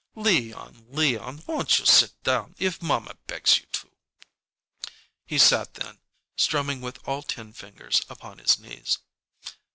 "Leon, Leon, won't you sit down, if mamma begs you to?" He sat then, strumming with all ten fingers upon his knees.